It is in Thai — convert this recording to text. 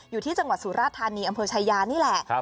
อยู่ที่จังหวัดสุราชธานีกรรมชัยานี่แหละ